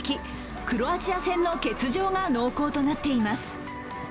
クロアチア戦の欠場が濃厚となっています。